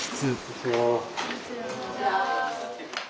こんにちは。